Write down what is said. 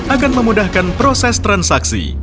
akan memudahkan proses transaksi